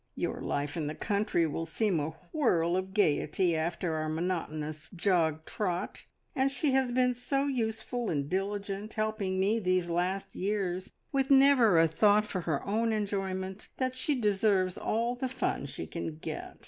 Your life in the country will seem a whirl of gaiety after our monotonous jog trot, and she has been so useful and diligent, helping me these last years with never a thought for her own enjoyment, that she deserves all the fun she can get.